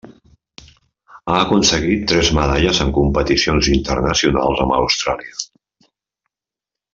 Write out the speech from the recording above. Ha aconseguit tres medalles en competicions internacionals amb Austràlia.